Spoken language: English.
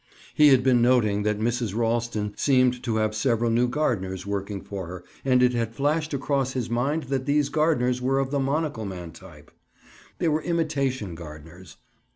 He had been noting that Mrs. Ralston seemed to have several new gardeners working for her and it had flashed across his mind that these gardeners were of the monocle man type. They were imitation gardeners.